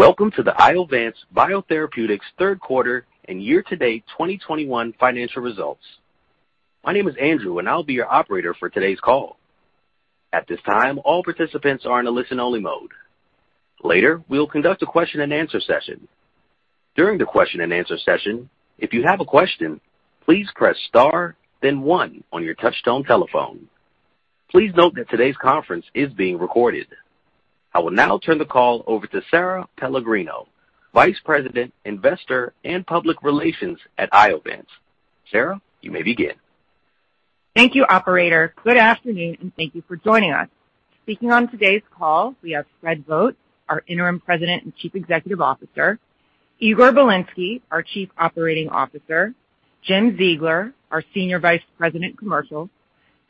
Welcome to the Iovance Biotherapeutics third quarter and year-to-date 2021 financial results. My name is Andrew, and I'll be your operator for today's call. At this time, all participants are in a listen-only mode. Later, we'll conduct a question and answer session. During the question and answer session, if you have a question, please press star then one on your touchtone telephone. Please note that today's conference is being recorded. I will now turn the call over to Sara Pellegrino, Vice President, Investor Relations and Public Relations at Iovance. Sara, you may begin. Thank you, operator. Good afternoon, and thank you for joining us. Speaking on today's call, we have Fred Vogt, our Interim President and Chief Executive Officer, Igor Bilinsky, our Chief Operating Officer, Jim Ziegler, our Senior Vice President, Commercial,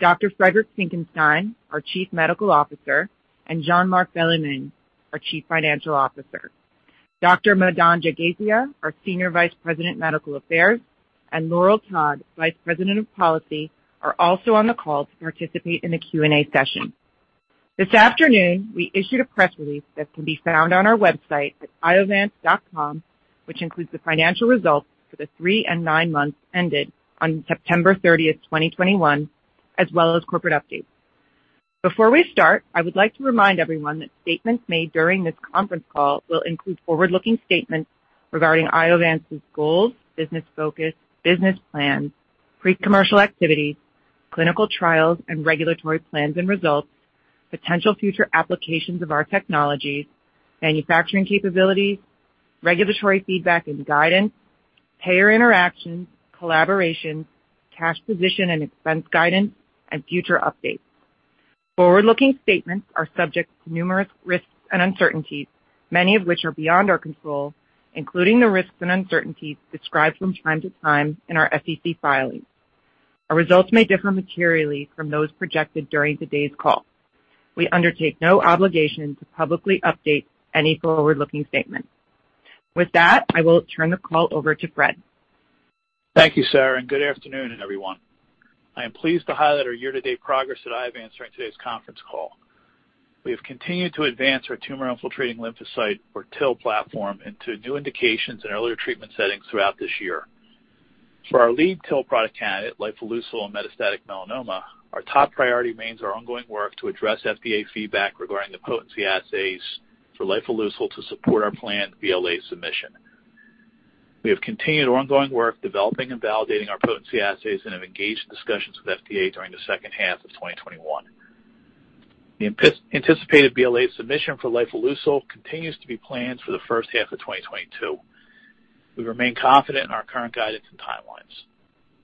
Dr. Friedrich Graf Finckenstein, our Chief Medical Officer, and Jean-Marc Bellemin, our Chief Financial Officer. Dr. Madan Jagasia, our Senior Vice President, Medical Affairs, and Laurel Todd, Vice President of Policy, are also on the call to participate in the Q&A session. This afternoon, we issued a press release that can be found on our website at iovance.com, which includes the financial results for the three and nine months ended on September 30th, 2021, as well as corporate updates. Before we start, I would like to remind everyone that statements made during this conference call will include forward-looking statements regarding Iovance's goals, business focus, business plans, pre-commercial activities, clinical trials, and regulatory plans and results, potential future applications of our technologies, manufacturing capabilities, regulatory feedback and guidance, payer interactions, collaborations, cash position and expense guidance, and future updates. Forward-looking statements are subject to numerous risks and uncertainties, many of which are beyond our control, including the risks and uncertainties described from time to time in our SEC filings. Our results may differ materially from those projected during today's call. We undertake no obligation to publicly update any forward-looking statement. With that, I will turn the call over to Fred. Thank you, Sara, and good afternoon, everyone. I am pleased to highlight our year-to-date progress at Iovance during today's conference call. We have continued to advance our tumor-infiltrating lymphocyte or TIL platform into new indications in earlier treatment settings throughout this year. For our lead TIL product candidate, lifileucel in metastatic melanoma, our top priority remains our ongoing work to address FDA feedback regarding the potency assays for lifileucel to support our planned BLA submission. We have continued our ongoing work developing and validating our potency assays and have engaged in discussions with FDA during the second half of 2021. The anticipated BLA submission for lifileucel continues to be planned for the first half of 2022. We remain confident in our current guidance and timelines.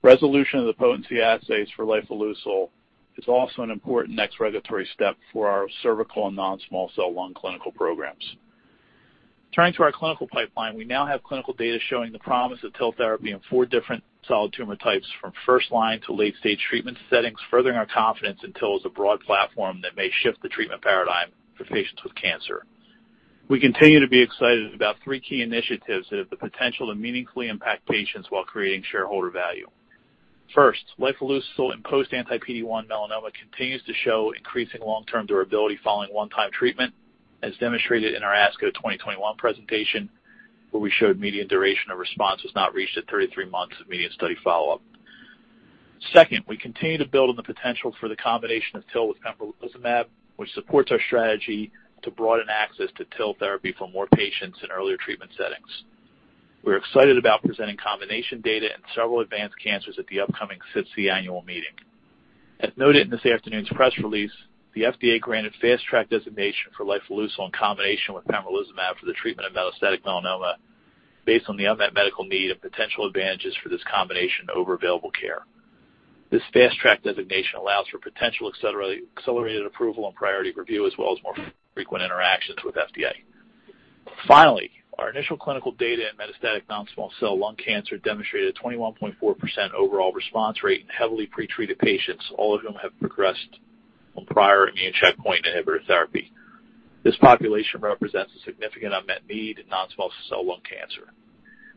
Resolution of the potency assays for lifileucel is also an important next regulatory step for our cervical and non-small cell lung clinical programs. Turning to our clinical pipeline, we now have clinical data showing the promise of TIL therapy in four different solid tumor types from first line to late-stage treatment settings, furthering our confidence in TIL as a broad platform that may shift the treatment paradigm for patients with cancer. We continue to be excited about three key initiatives that have the potential to meaningfully impact patients while creating shareholder value. First, lifileucel in post anti-PD-1 melanoma continues to show increasing long-term durability following one-time treatment, as demonstrated in our ASCO 2021 presentation, where we showed median duration of response was not reached at 33 months of median study follow-up. Second, we continue to build on the potential for the combination of TIL with pembrolizumab, which supports our strategy to broaden access to TIL therapy for more patients in earlier treatment settings. We're excited about presenting combination data in several advanced cancers at the upcoming SITC Annual Meeting. As noted in this afternoon's press release, the FDA granted Fast Track designation for lifileucel in combination with pembrolizumab for the treatment of metastatic melanoma based on the unmet medical need and potential advantages for this combination over available care. This Fast Track designation allows for potential accelerated approval and priority review, as well as more frequent interactions with FDA. Finally, our initial clinical data in metastatic non-small cell lung cancer demonstrated a 21.4% overall response rate in heavily pretreated patients, all of whom have progressed on prior immune checkpoint inhibitor therapy. This population represents a significant unmet need in non-small cell lung cancer.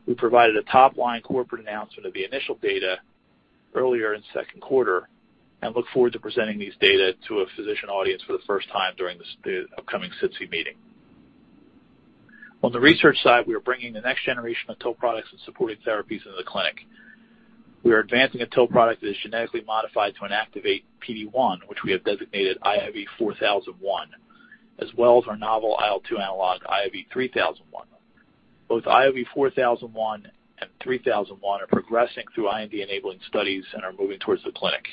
We provided a top-line corporate announcement of the initial data earlier in the second quarter and look forward to presenting these data to a physician audience for the first time during this, the upcoming SITC meeting. On the research side, we are bringing the next generation of TIL products and supporting therapies into the clinic. We are advancing a TIL product that is genetically modified to inactivate PD-1, which we have designated IOV-4001, as well as our novel IL-2 analog, IOV-3001. Both IOV-4001 and 3001 are progressing through IND-enabling studies and are moving towards the clinic.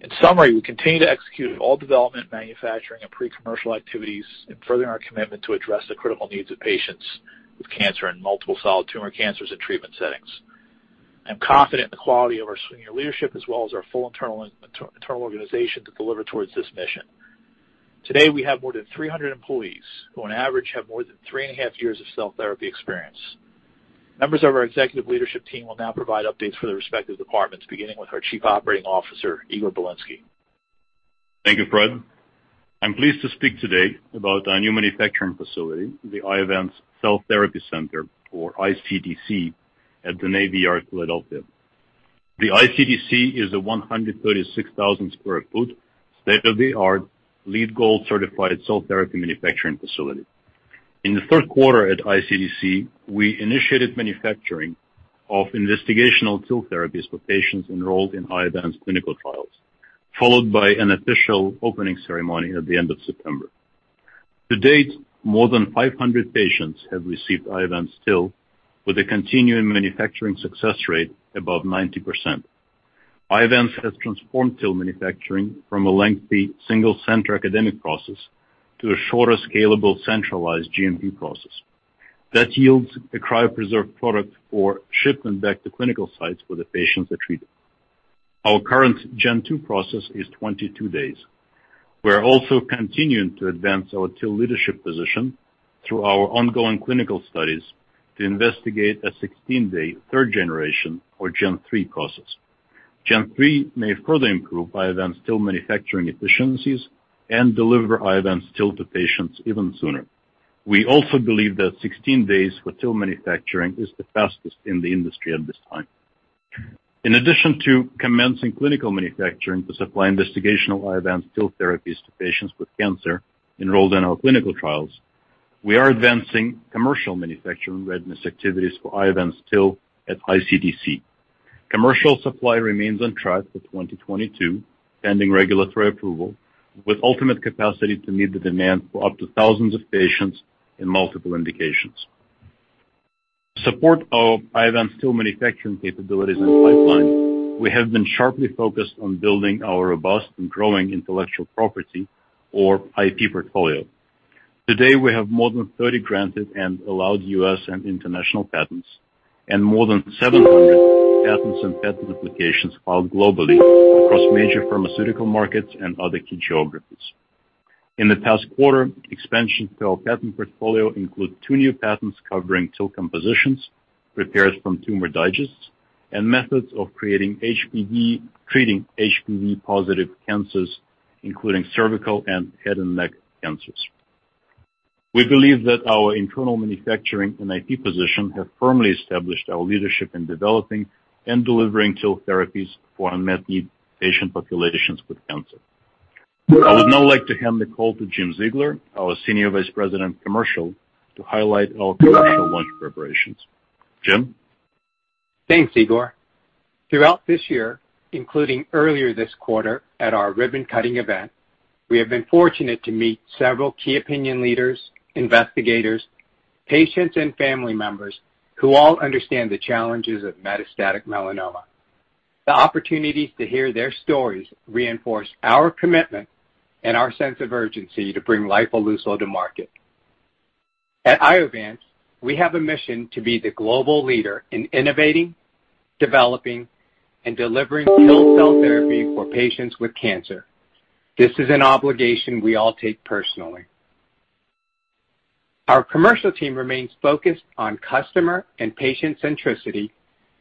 In summary, we continue to execute all development, manufacturing, and pre-commercial activities in furthering our commitment to address the critical needs of patients with cancer in multiple solid tumor cancers and treatment settings. I'm confident in the quality of our senior leadership as well as our full internal organization to deliver towards this mission. Today, we have more than 300 employees who on average have more than 3.5 years of cell therapy experience. Members of our executive leadership team will now provide updates for their respective departments, beginning with our Chief Operating Officer, Igor Bilinsky. Thank you, Fred. I'm pleased to speak today about our new manufacturing facility, the Iovance Cell Therapy Center, or iCTC, at the Philadelphia Navy Yard. The iCTC is a 136,000 sq ft state-of-the-art LEED Gold-certified cell therapy manufacturing facility. In the third quarter at iCTC, we initiated manufacturing of investigational TIL therapies for patients enrolled in Iovance clinical trials, followed by an official opening ceremony at the end of September. To date, more than 500 patients have received Iovance TIL with a continuing manufacturing success rate above 90%. Iovance has transformed TIL manufacturing from a lengthy single-center academic process to a shorter, scalable, centralized GMP process that yields a cryopreserved product for shipment back to clinical sites where the patients are treated. Our current Gen 2 process is 22 days. We're also continuing to advance our TIL leadership position through our ongoing clinical studies to investigate a 16-day third generation, or Gen 3, process. Gen 3 may further improve Iovance TIL manufacturing efficiencies and deliver Iovance TIL to patients even sooner. We also believe that 16 days for TIL manufacturing is the fastest in the industry at this time. In addition to commencing clinical manufacturing to supply investigational Iovance TIL therapies to patients with cancer enrolled in our clinical trials, we are advancing commercial manufacturing readiness activities for Iovance TIL at iCTC. Commercial supply remains on track for 2022, pending regulatory approval, with ultimate capacity to meet the demand for up to thousands of patients in multiple indications. In support of Iovance TIL manufacturing capabilities and pipelines, we have been sharply focused on building our robust and growing intellectual property, or IP, portfolio. Today, we have more than 30 granted and allowed U.S. and international patents and more than 700 patents and patent applications filed globally across major pharmaceutical markets and other key geographies. In the past quarter, expansion to our patent portfolio includes 2 new patents covering TIL compositions prepared from tumor digests and methods of treating HPV-positive cancers, including cervical and head and neck cancers. We believe that our internal manufacturing and IP position have firmly established our leadership in developing and delivering TIL therapies for unmet need patient populations with cancer. I would now like to hand the call to Jim Ziegler, our Senior Vice President, Commercial, to highlight our commercial launch preparations. Jim? Thanks, Igor. Throughout this year, including earlier this quarter at our ribbon-cutting event, we have been fortunate to meet several key opinion leaders, investigators, patients, and family members who all understand the challenges of metastatic melanoma. The opportunities to hear their stories reinforce our commitment and our sense of urgency to bring lifileucel to market. At Iovance, we have a mission to be the global leader in innovating, developing, and delivering TIL cell therapy for patients with cancer. This is an obligation we all take personally. Our commercial team remains focused on customer and patient centricity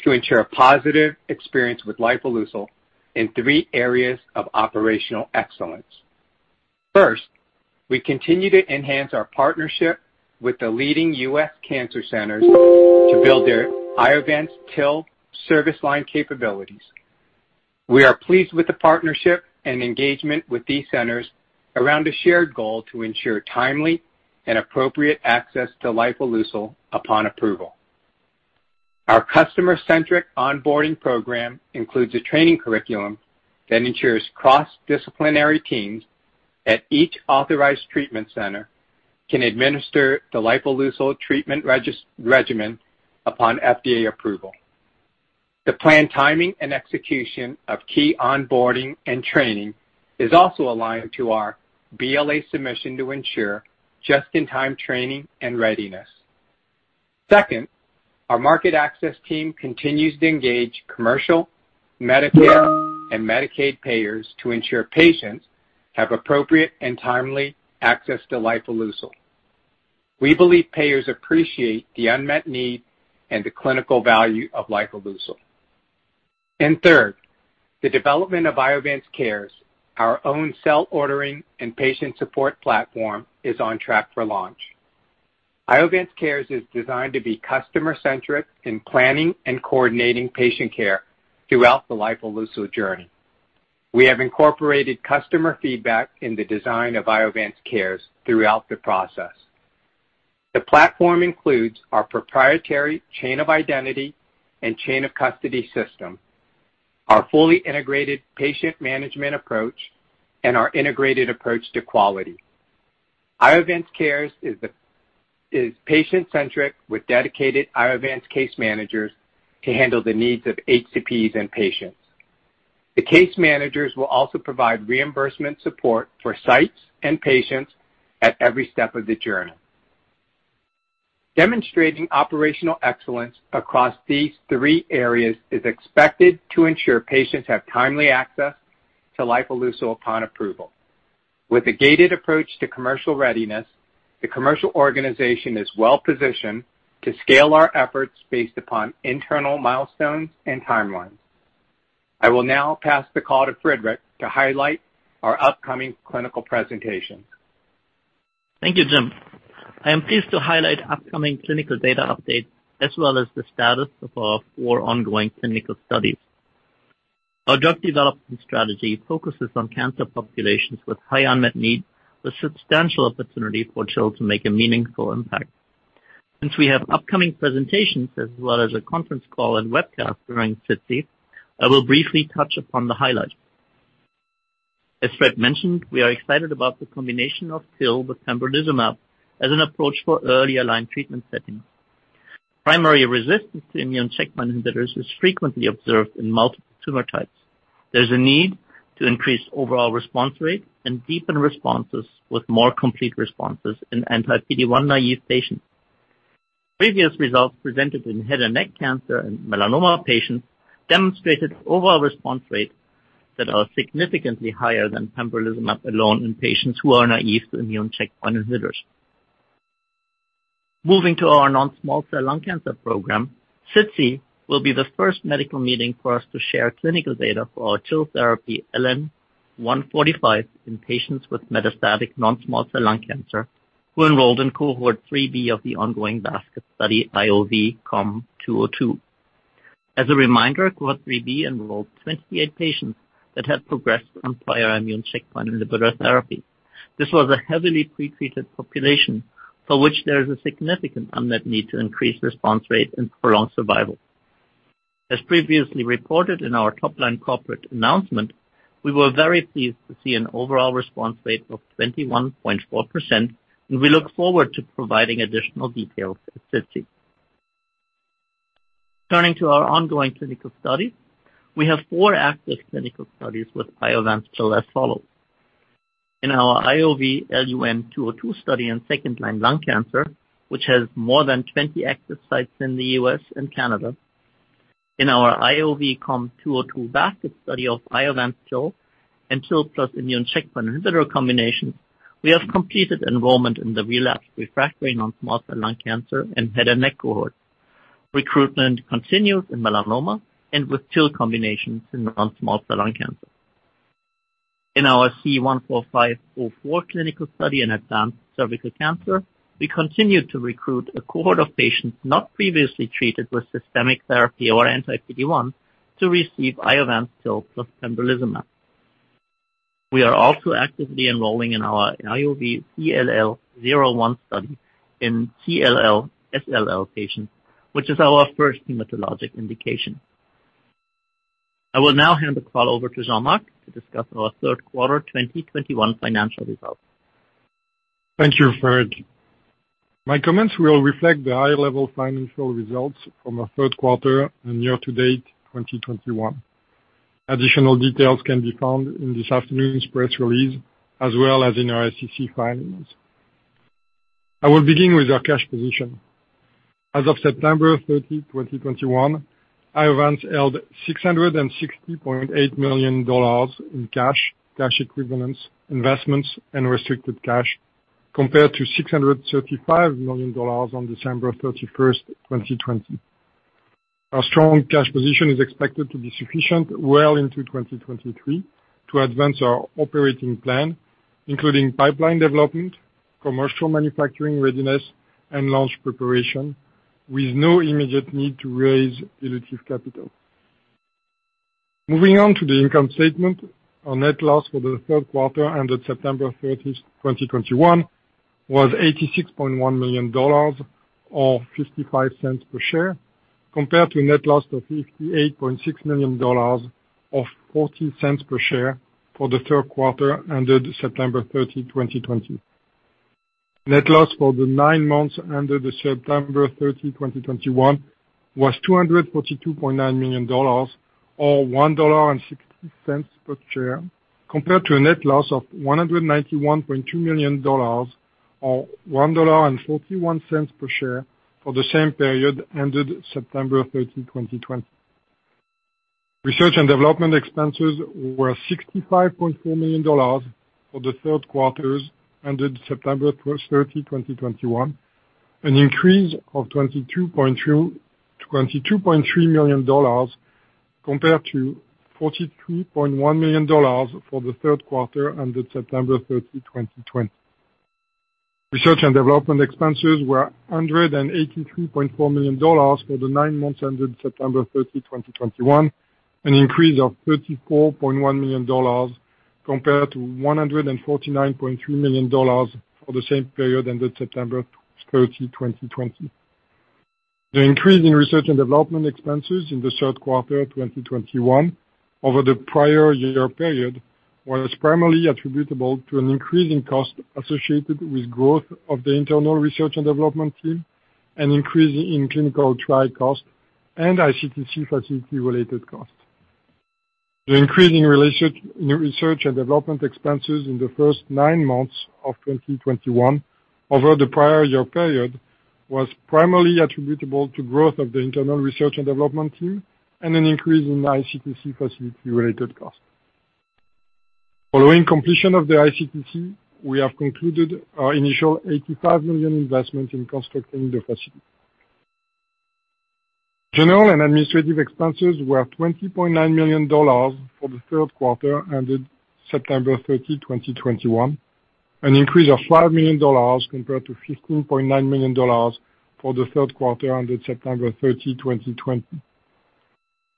to ensure a positive experience with lifileucel in three areas of operational excellence. First, we continue to enhance our partnership with the leading U.S. cancer centers to build their Iovance TIL service line capabilities. We are pleased with the partnership and engagement with these centers around a shared goal to ensure timely and appropriate access to lifileucel upon approval. Our customer-centric onboarding program includes a training curriculum that ensures cross-disciplinary teams at each authorized treatment center can administer the lifileucel treatment regimen upon FDA approval. The planned timing and execution of key onboarding and training is also aligned to our BLA submission to ensure just-in-time training and readiness. Second, our market access team continues to engage commercial, Medicare, and Medicaid payers to ensure patients have appropriate and timely access to lifileucel. We believe payers appreciate the unmet need and the clinical value of lifileucel. Third, the development of IovanceCares, our own cell ordering and patient support platform, is on track for launch. IovanceCares is designed to be customer-centric in planning and coordinating patient care throughout the lifileucel journey. We have incorporated customer feedback in the design of IovanceCares throughout the process. The platform includes our proprietary chain of identity and chain of custody system, our fully integrated patient management approach, and our integrated approach to quality. IovanceCares is patient-centric with dedicated Iovance case managers to handle the needs of HCPs and patients. The case managers will also provide reimbursement support for sites and patients at every step of the journey. Demonstrating operational excellence across these three areas is expected to ensure patients have timely access to lifileucel upon approval. With a gated approach to commercial readiness, the commercial organization is well-positioned to scale our efforts based upon internal milestones and timelines. I will now pass the call to Frederick to highlight our upcoming clinical presentations. Thank you, Jim. I am pleased to highlight upcoming clinical data updates as well as the status of our four ongoing clinical studies. Our drug development strategy focuses on cancer populations with high unmet need with substantial opportunity for TIL to make a meaningful impact. Since we have upcoming presentations as well as a conference call and webcast during SITC, I will briefly touch upon the highlights. As Fred mentioned, we are excited about the combination of TIL with pembrolizumab as an approach for earlier-line treatment settings. Primary resistance to immune checkpoint inhibitors is frequently observed in multiple tumor types. There's a need to increase overall response rate and deepen responses with more complete responses in anti-PD-1 naive patients. Previous results presented in head and neck cancer and melanoma patients demonstrated overall response rates that are significantly higher than pembrolizumab alone in patients who are naive to immune checkpoint inhibitors. Moving to our non-small cell lung cancer program, SITC will be the first medical meeting for us to share clinical data for our TIL therapy, LN-145, in patients with metastatic non-small cell lung cancer who enrolled in cohort 3B of the ongoing basket study IOV-COM-202. As a reminder, cohort 3B enrolled 28 patients that had progressed from prior immune checkpoint inhibitor therapy. This was a heavily pretreated population for which there is a significant unmet need to increase response rate and prolong survival. As previously reported in our top line corporate announcement, we were very pleased to see an overall response rate of 21.4%, and we look forward to providing additional details at SITC. Turning to our ongoing clinical studies, we have four active clinical studies with Iovance TIL as follows. In our IOV-LUN-202 study in second-line lung cancer, which has more than 20 active sites in the U.S. and Canada. In our IOV-COM-202 basket study of Iovance TIL and TIL plus immune checkpoint inhibitor combinations, we have completed enrollment in the relapsed refractory non-small cell lung cancer and head and neck cohort. Recruitment continues in melanoma and with TIL combinations in non-small cell lung cancer. In our C-145-04 clinical study in advanced cervical cancer, we continue to recruit a cohort of patients not previously treated with systemic therapy or anti-PD-1 to receive Iovance TIL plus pembrolizumab. We are also actively enrolling in our IOV-CLL-01 study in CLL/SLL patients, which is our first hematologic indication. I will now hand the call over to Jean-Marc to discuss our third quarter 2021 financial results. Thank you, Fred. My comments will reflect the high-level financial results from our third quarter and year to date 2021. Additional details can be found in this afternoon's press release as well as in our SEC filings. I will begin with our cash position. As of September 30, 2021, Iovance held $660.8 million in cash equivalents, investments and restricted cash compared to $635 million on December 31, 2020. Our strong cash position is expected to be sufficient well into 2023 to advance our operating plan, including pipeline development, commercial manufacturing readiness, and launch preparation with no immediate need to raise dilutive capital. Moving on to the income statement. Our net loss for the third quarter ended September 30, 2021 was $86.1 million or $0.55 per share, compared to a net loss of $58.6 million or $0.40 per share for the third quarter ended September 30, 2020. Net loss for the nine months ended September 30, 2021 was $242.9 million or $1.60 per share, compared to a net loss of $191.2 million or $1.41 per share for the same period ended September 30, 2020. Research and development expenses were $65.4 million for the third quarter ended September 30, 2021, an increase of $22.3 million compared to $43.1 million for the third quarter ended September 30, 2020. Research and development expenses were $183.4 million for the nine months ended September 30, 2021, an increase of $34.1 million compared to $149.3 million for the same period ended September 30, 2020. The increase in research and development expenses in the third quarter 2021 over the prior year period was primarily attributable to an increase in cost associated with growth of the internal research and development team, an increase in clinical trial costs, and ICTC facility related costs. The increase in research and development expenses in the first nine months of 2021 over the prior year period was primarily attributable to growth of the internal research and development team and an increase in ICTC facility related costs. Following completion of the iCTC, we have concluded our initial $85 million investment in constructing the facility. General and administrative expenses were $20.9 million for the third quarter ended September 30, 2021, an increase of $5 million compared to $15.9 million for the third quarter ended September 30, 2020.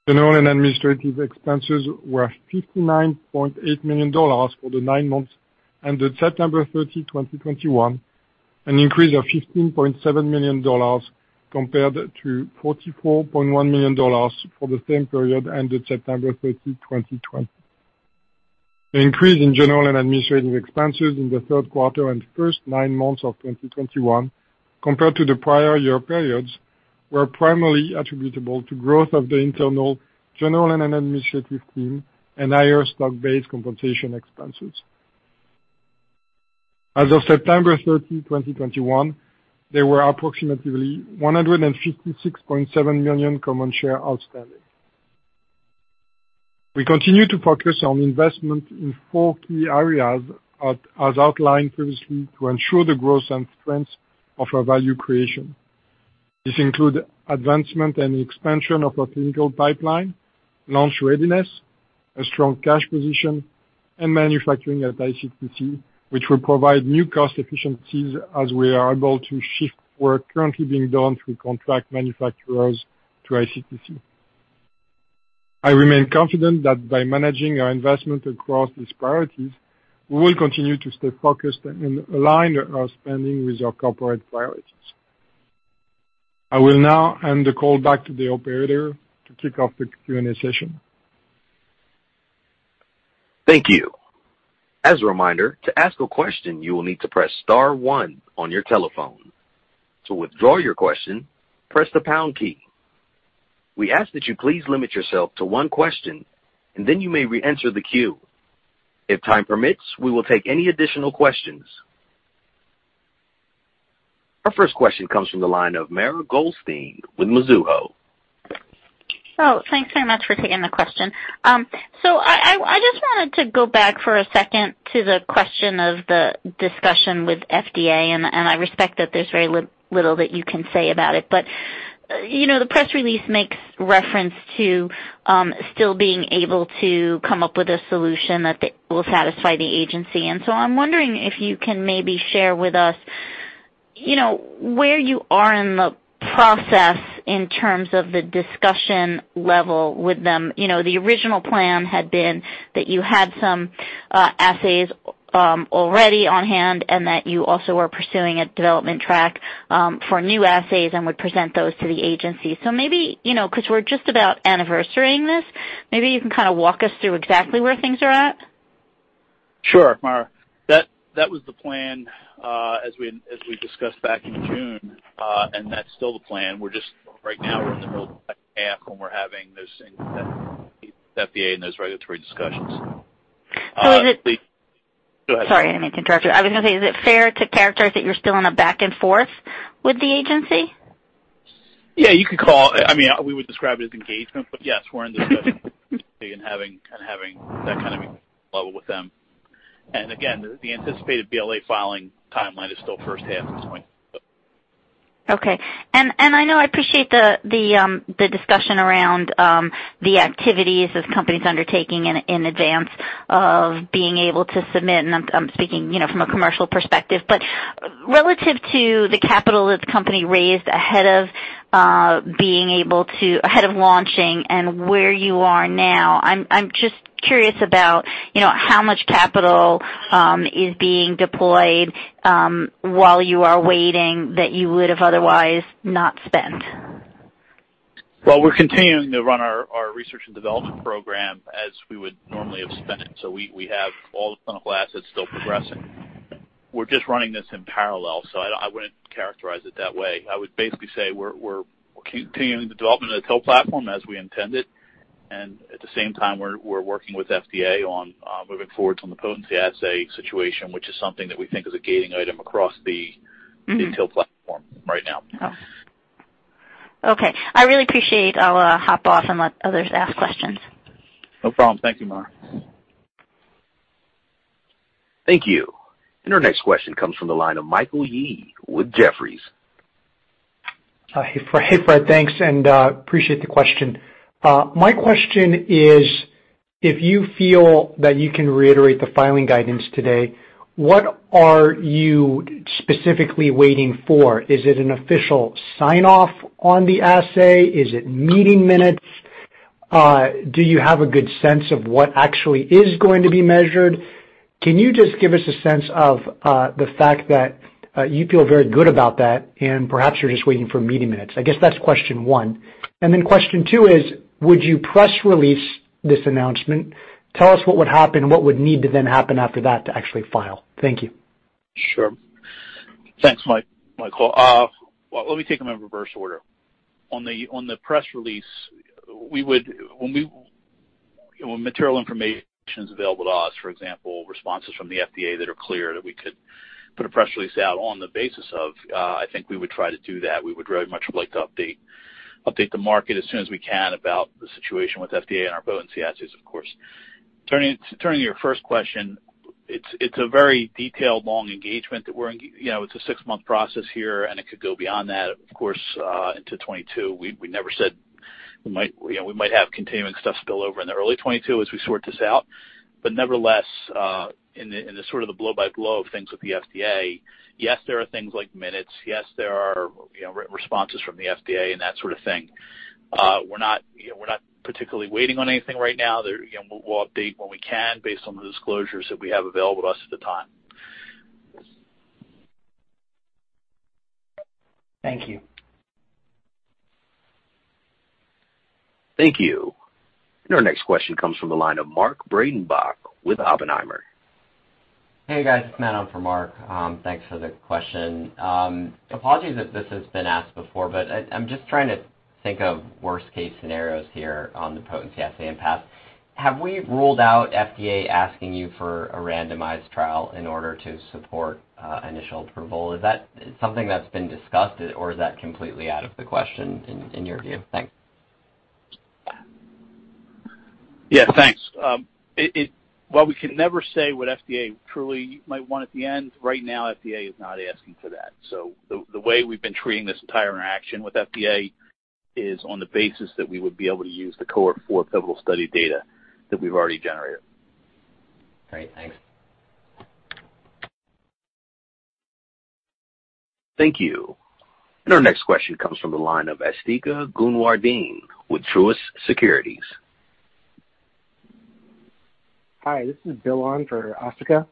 General and administrative expenses were $59.8 million for the nine months ended September 30, 2021, an increase of $15.7 million compared to $44.1 million for the same period ended September 30, 2020. The increase in general and administrative expenses in the third quarter and first nine months of 2021 compared to the prior year periods were primarily attributable to growth of the internal general and administrative team and higher stock-based compensation expenses. As of September 30, 2021, there were approximately 156.7 million common shares outstanding. We continue to focus on investment in four key areas as outlined previously to ensure the growth and strength of our value creation. This includes advancement and expansion of our clinical pipeline, launch readiness, a strong cash position, and manufacturing at iCTC, which will provide new cost efficiencies as we are able to shift work currently being done through contract manufacturers to iCTC. I remain confident that by managing our investment across these priorities, we will continue to stay focused and align our spending with our corporate priorities. I will now hand the call back to the operator to kick off the Q&A session. Thank you. As a reminder, to ask a question, you will need to press star one on your telephone. To withdraw your question, press the pound key. We ask that you please limit yourself to one question, and then you may reenter the queue. If time permits, we will take any additional questions. Our first question comes from the line of Mara Goldstein with Mizuho. Thanks very much for taking the question. I just wanted to go back for a second to the question of the discussion with FDA, and I respect that there's very little that you can say about it. You know, the press release makes reference to still being able to come up with a solution that will satisfy the agency. I'm wondering if you can maybe share with us, you know, where you are in the process in terms of the discussion level with them. You know, the original plan had been that you had some assays already on hand, and that you also were pursuing a development track for new assays and would present those to the agency. Maybe, you know, 'cause we're just about anniversarying this, maybe you can kind of walk us through exactly where things are at. Sure, Mara. That was the plan, as we discussed back in June, and that's still the plan. We're just right now in the middle of a path when we're having those FDA and those regulatory discussions. Is it? Go ahead. Sorry, I didn't mean to interrupt you. I was gonna say, is it fair to characterize that you're still in a back and forth with the agency? Yeah, I mean, we would describe it as engagement. Yes, we're in discussions and having that kind of level with them. The anticipated BLA filing timeline is still first half of 2022. I know I appreciate the discussion around the activities this company's undertaking in advance of being able to submit, and I'm speaking, you know, from a commercial perspective. Relative to the capital that the company raised ahead of launching and where you are now, I'm just curious about, you know, how much capital is being deployed while you are waiting that you would have otherwise not spent. Well, we're continuing to run our research and development program as we would normally have spent it, so we have all the clinical assets still progressing. We're just running this in parallel, so I wouldn't characterize it that way. I would basically say we're continuing the development of the TIL platform as we intended, and at the same time we're working with FDA on moving forward on the potency assay situation, which is something that we think is a gating item across the- Mm-hmm. the TIL platform right now. Okay. I really appreciate. I'll hop off and let others ask questions. No problem. Thank you, Mara. Thank you. Our next question comes from the line of Michael Yee with Jefferies. Hi, Fred. Thanks and appreciate the question. My question is, if you feel that you can reiterate the filing guidance today, what are you specifically waiting for? Is it an official sign-off on the assay? Is it meeting minutes? Do you have a good sense of what actually is going to be measured? Can you just give us a sense of the fact that you feel very good about that and perhaps you're just waiting for meeting minutes? I guess that's question one. Question two is, would you press release this announcement? Tell us what would happen, what would need to then happen after that to actually file. Thank you. Sure. Thanks, Michael. Well, let me take them in reverse order. On the press release, when material information is available to us, for example, responses from the FDA that are clear that we could put a press release out on the basis of, I think we would try to do that. We would very much like to update the market as soon as we can about the situation with FDA and our potency assays, of course. Turning to your first question, it's a very detailed, long engagement that we're engaged in. You know, it's a six-month process here, and it could go beyond that, of course, into 2022. We never said we might, you know, we might have continuing stuff spill over in the early 2022 as we sort this out. Nevertheless, in the sort of the blow-by-blow of things with the FDA, yes, there are things like minutes. Yes, there are, you know, responses from the FDA and that sort of thing. We're not, you know, we're not particularly waiting on anything right now. You know, we'll update when we can based on the disclosures that we have available to us at the time. Thank you. Thank you. Our next question comes from the line of Mark Breidenbach with Oppenheimer. Hey, guys. It's not on for Mark. Thanks for the question. Apologies if this has been asked before, but I'm just trying to think of worst case scenarios here on the potency assay and path. Have we ruled out FDA asking you for a randomized trial in order to support initial approval? Is that something that's been discussed or is that completely out of the question in your view? Thanks. Yeah, thanks. While we can never say what FDA truly might want at the end, right now FDA is not asking for that. The way we've been treating this entire interaction with FDA is on the basis that we would be able to use the cohort 4 pivotal study data that we've already generated. Great. Thanks. Thank you. Our next question comes from the line of Asthika Goonewardene with Truist Securities. Hi, this is Bill on for Asthika.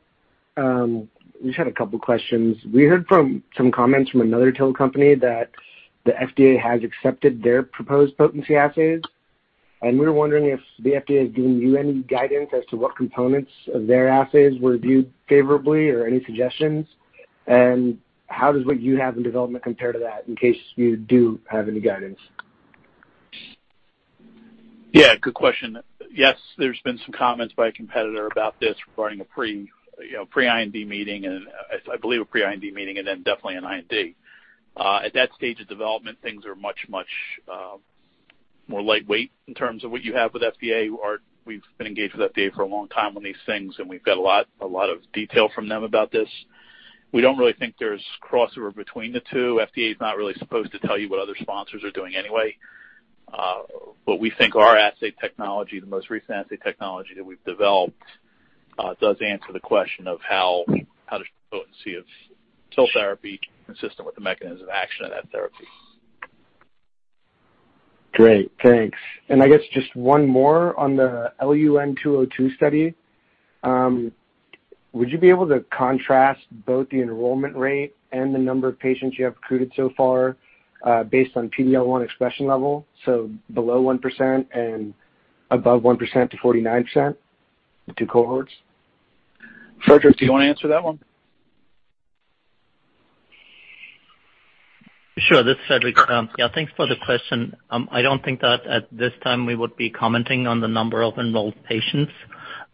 I just had a couple questions. We heard from some comments from another TIL company that the FDA has accepted their proposed potency assays, and we were wondering if the FDA has given you any guidance as to what components of their assays were viewed favorably or any suggestions, and how does what you have in development compare to that, in case you do have any guidance? Yeah, good question. Yes, there's been some comments by a competitor about this regarding a pre, you know, pre-IND meeting and I believe a pre-IND meeting and then definitely an IND. At that stage of development, things are much more lightweight in terms of what you have with FDA. We've been engaged with FDA for a long time on these things, and we've got a lot of detail from them about this. We don't really think there's crossover between the two. FDA is not really supposed to tell you what other sponsors are doing anyway. We think our assay technology, the most recent assay technology that we've developed, does answer the question of how to show potency of TIL therapy consistent with the mechanism of action of that therapy. Great. Thanks. I guess just one more on the IOV-LUN-202 study. Would you be able to contrast both the enrollment rate and the number of patients you have recruited so far, based on PD-L1 expression level, so below 1% and above 1% to 49%, the two cohorts? Frederick, do you wanna answer that one? Sure. This is Frederick. Thanks for the question. I don't think that at this time we would be commenting on the number of enrolled patients.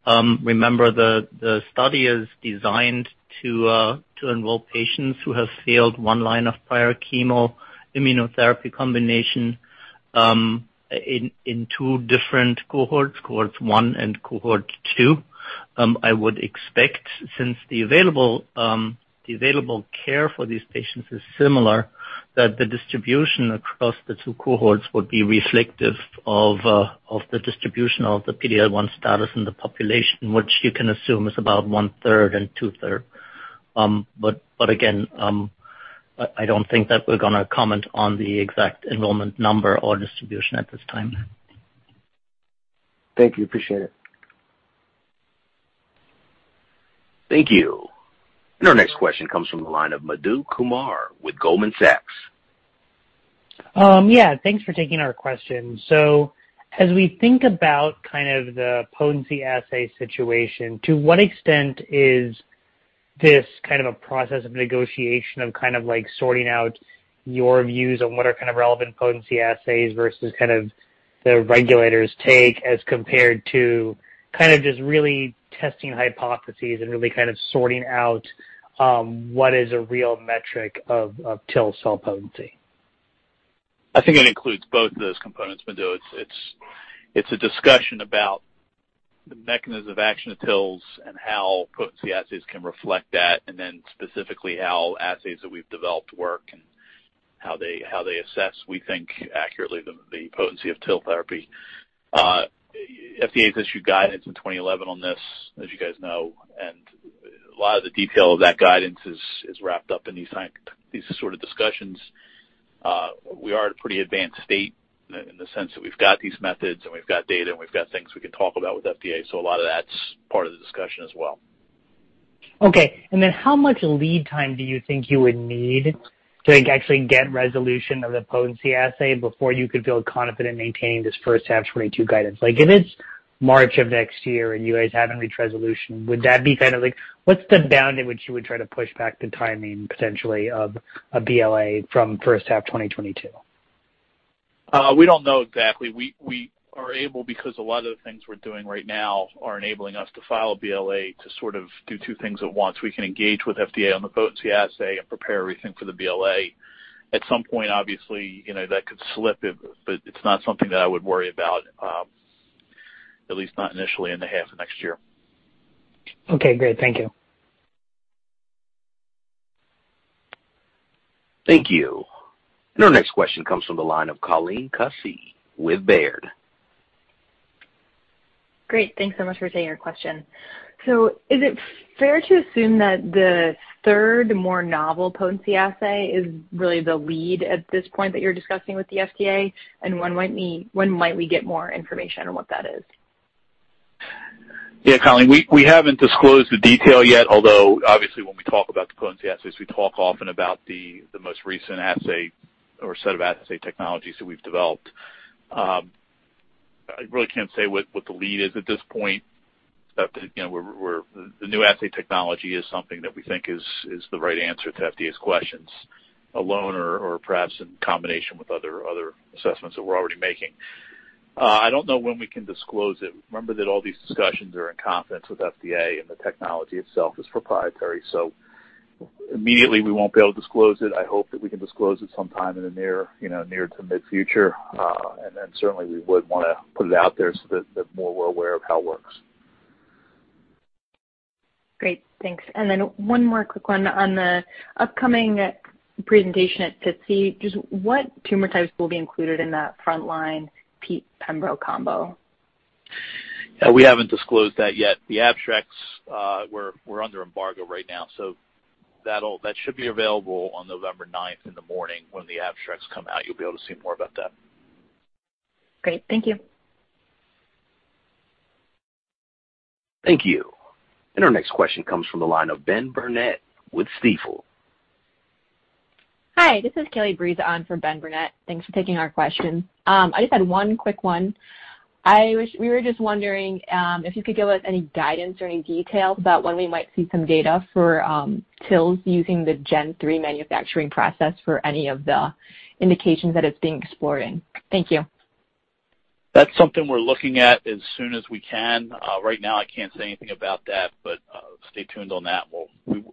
Remember the study is designed to enroll patients who have failed one line of prior chemo-immunotherapy combination, in two different cohorts one and cohort two. I would expect, since the available care for these patients is similar, that the distribution across the two cohorts would be reflective of the distribution of the PD-L1 status in the population, which you can assume is about one-third and two-third. Again, I don't think that we're gonna comment on the exact enrollment number or distribution at this time. Thank you. Appreciate it. Thank you. Our next question comes from the line of Madhu Kumar with Goldman Sachs. Yeah, thanks for taking our question. As we think about kind of the potency assay situation, to what extent is this kind of a process of negotiation of kind of like sorting out your views on what are kind of relevant potency assays versus kind of the regulators take as compared to kind of just really testing hypotheses and really kind of sorting out, what is a real metric of TIL cell potency? I think it includes both of those components, Madhu. It's a discussion about the mechanism of action of TILs and how potency assays can reflect that, and then specifically how assays that we've developed work and how they assess, we think accurately the potency of TIL therapy. FDA has issued guidance in 2011 on this, as you guys know, and a lot of the detail of that guidance is wrapped up in these sort of discussions. We are at a pretty advanced state in the sense that we've got these methods and we've got data and we've got things we can talk about with FDA, so a lot of that's part of the discussion as well. Okay. How much lead time do you think you would need to, like, actually get resolution of the potency assay before you could feel confident maintaining this first half 2022 guidance? Like, if it's March of next year and you guys haven't reached resolution, would that be kind of like what's the bound in which you would try to push back the timing potentially of a BLA from first half 2022? We don't know exactly. We are able because a lot of the things we're doing right now are enabling us to file a BLA to sort of do two things at once. We can engage with FDA on the potency assay and prepare everything for the BLA. At some point, obviously, you know, that could slip it, but it's not something that I would worry about, at least not initially in the half of next year. Okay, great. Thank you. Thank you. Our next question comes from the line of Colleen Kusy with Baird. Great. Thanks so much for taking our question. Is it fair to assume that the third more novel potency assay is really the lead at this point that you're discussing with the FDA? And when might we get more information on what that is? Yeah, Colleen, we haven't disclosed the detail yet, although obviously, when we talk about the potency assays, we talk often about the most recent assay or set of assay technologies that we've developed. I really can't say what the lead is at this point. Again, the new assay technology is something that we think is the right answer to FDA's questions alone or perhaps in combination with other assessments that we're already making. I don't know when we can disclose it. Remember that all these discussions are in confidence with FDA, and the technology itself is proprietary. Immediately, we won't be able to disclose it. I hope that we can disclose it sometime in the near, you know, near to mid-future. Certainly we would wanna put it out there so that we're more aware of how it works. Great. Thanks. One more quick one. On the upcoming presentation at SITC, just what tumor types will be included in that frontline pembro combo? Yeah, we haven't disclosed that yet. The abstracts, we're under embargo right now, so that should be available on November ninth in the morning. When the abstracts come out, you'll be able to see more about that. Great. Thank you. Thank you. Our next question comes from the line of Ben Burnett with Stifel. Hi, this is Kelly Breese on for Ben Burnett. Thanks for taking our question. I just had one quick one. We were just wondering if you could give us any guidance or any details about when we might see some data for TILs using the Gen 3 manufacturing process for any of the indications that it's being explored in. Thank you. That's something we're looking at as soon as we can. Right now, I can't say anything about that, but, stay tuned on that.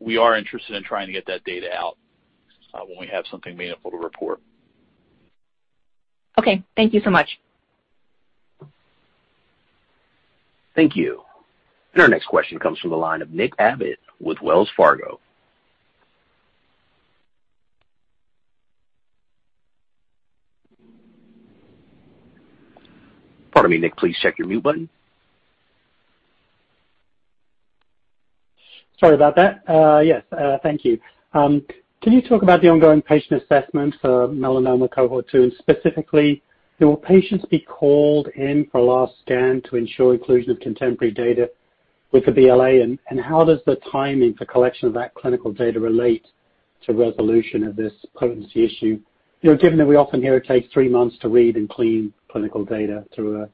We are interested in trying to get that data out, when we have something meaningful to report. Okay. Thank you so much. Thank you. Our next question comes from the line of Nick Abbate with Wells Fargo. Pardon me, Nick. Please check your mute button. Sorry about that. Yes, thank you. Can you talk about the ongoing patient assessment for melanoma cohort 2, and specifically will patients be called in for last scan to ensure inclusion of contemporary data with the BLA? How does the timing for collection of that clinical data relate to resolution of this potency issue? You know, given that we often hear it takes three months to read and clean clinical data through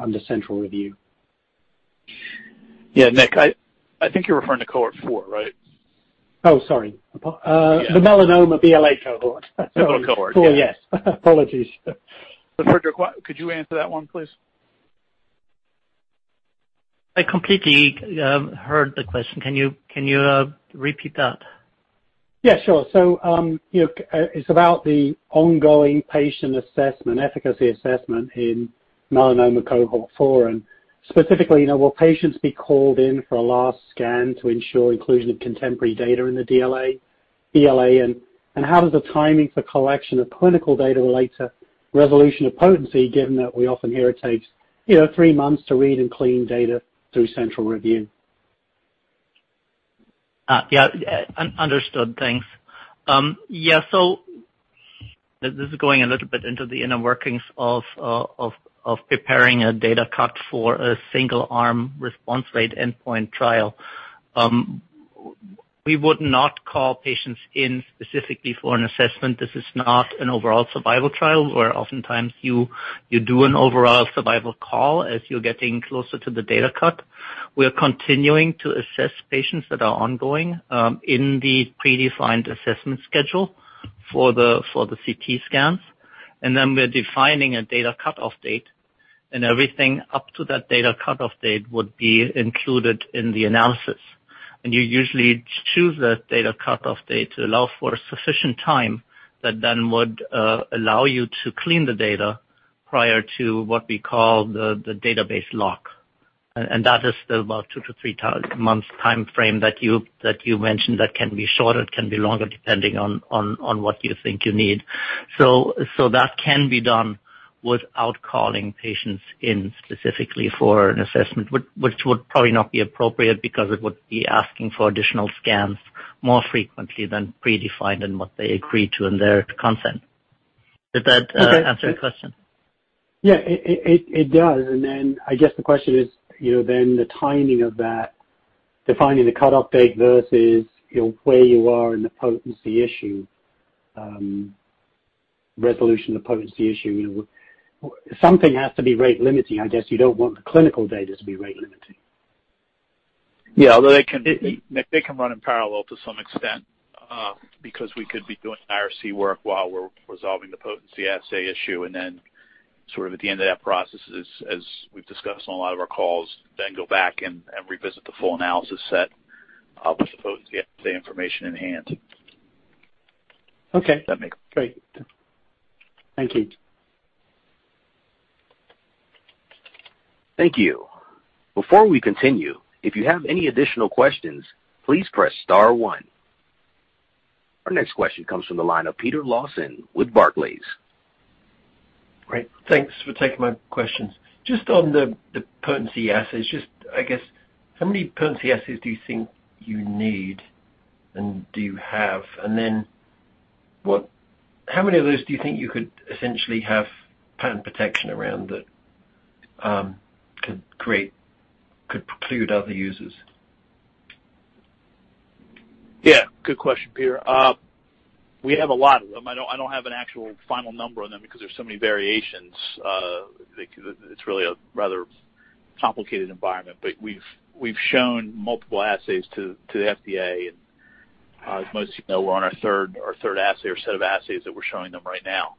under central review. Yeah. Nick, I think you're referring to cohort 4, right? Oh, sorry. The melanoma BLA cohort. Melanoma cohort. 4. Yes. Apologies. Friedrich, could you answer that one, please? I completely heard the question. Can you repeat that? Yeah, sure. You know, it's about the ongoing patient assessment, efficacy assessment in melanoma cohort 4, and specifically, you know, will patients be called in for a last scan to ensure inclusion of contemporary data in the BLA? How does the timing for collection of clinical data relate to resolution of potency, given that we often hear it takes, you know, 3 months to read and clean data through central review? Yeah, understood. Thanks. Yeah. This is going a little bit into the inner workings of preparing a data cut for a single-arm response rate endpoint trial. We would not call patients in specifically for an assessment. This is not an overall survival trial where oftentimes you do an overall survival call as you're getting closer to the data cut. We are continuing to assess patients that are ongoing in the predefined assessment schedule for the CT scans, and then we're defining a data cutoff date, and everything up to that data cutoff date would be included in the analysis. You usually choose that data cutoff date to allow for sufficient time that would allow you to clean the data prior to what we call the database lock. That is still about 2-3x a month timeframe that you mentioned. That can be shorter, it can be longer, depending on what you think you need. That can be done without calling patients in specifically for an assessment, which would probably not be appropriate because it would be asking for additional scans more frequently than predefined and what they agreed to in their consent. Did that answer your question? Yeah. It does. I guess the question is, you know, the timing of that, defining the cutoff date versus, you know, where you are in the potency issue, resolution of potency issue. You know, something has to be rate limiting. I guess you don't want the clinical data to be rate limiting. Yeah. Although they can run in parallel to some extent, because we could be doing IRC work while we're resolving the potency assay issue and then sort of at the end of that process, as we've discussed on a lot of our calls, then go back and revisit the full analysis set with the potency assay information in hand. Okay. Does that make- Great. Thank you. Thank you. Before we continue, if you have any additional questions, please press star one. Our next question comes from the line of Peter Lawson with Barclays. Great. Thanks for taking my questions. Just on the potency assays. Just, I guess, how many potency assays do you think you need and do you have? How many of those do you think you could essentially have patent protection around that could create, could preclude other users? Yeah, good question, Peter. We have a lot of them. I don't have an actual final number on them because there's so many variations. It's really a rather complicated environment. We've shown multiple assays to the FDA and as most of you know, we're on our third assay or set of assays that we're showing them right now.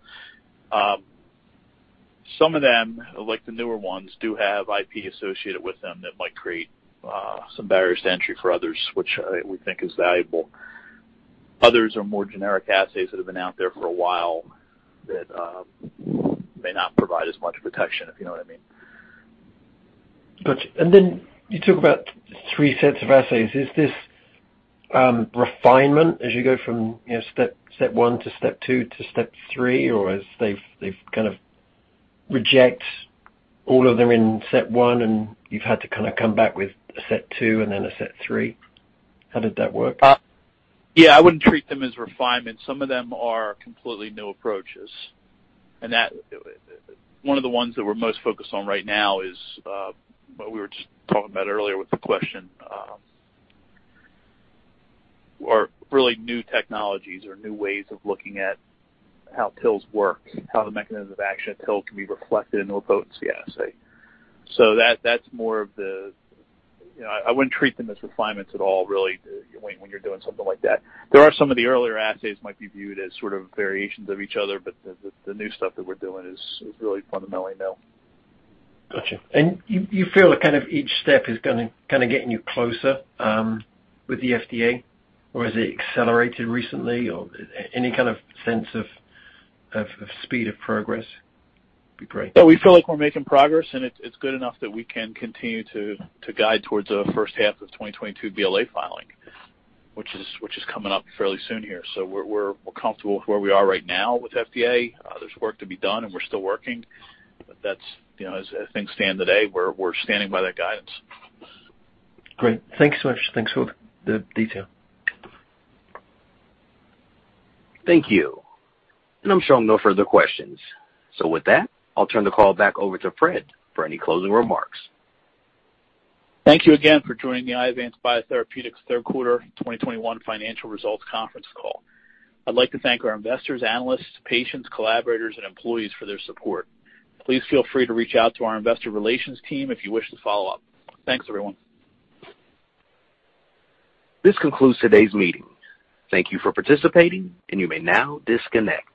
Some of them, like the newer ones, do have IP associated with them that might create some barriers to entry for others, which I think is valuable. Others are more generic assays that have been out there for a while that may not provide as much protection, if you know what I mean. Got you. You talk about three sets of assays. Is this refinement as you go from, you know, step one to step two to step three, or as they've kind of rejected all of them in step one, and you've had to kinda come back with a step two and then a step three? How does that work? I wouldn't treat them as refinements. Some of them are completely new approaches. One of the ones that we're most focused on right now is what we were just talking about earlier with the question or really new technologies or new ways of looking at how TILs work, how the mechanism of action of TIL can be reflected into a potency assay. That's more of the you know, I wouldn't treat them as refinements at all, really, when you're doing something like that. There are some of the earlier assays might be viewed as sort of variations of each other, but the new stuff that we're doing is really fundamentally new. Got you. You feel like kind of each step is gonna kinda getting you closer with the FDA, or has it accelerated recently or any kind of sense of speed of progress would be great. Yeah, we feel like we're making progress and it's good enough that we can continue to guide towards a first half of 2022 BLA filing, which is coming up fairly soon here. We're comfortable with where we are right now with FDA. There's work to be done and we're still working. That's, you know, as things stand today, we're standing by that guidance. Great. Thank you so much. Thanks for the detail. Thank you. I'm showing no further questions. With that, I'll turn the call back over to Fred for any closing remarks. Thank you again for joining the Iovance Biotherapeutics third quarter 2021 financial results conference call. I'd like to thank our investors, analysts, patients, collaborators, and employees for their support. Please feel free to reach out to our investor relations team if you wish to follow up. Thanks everyone. This concludes today's meeting. Thank you for participating, and you may now disconnect.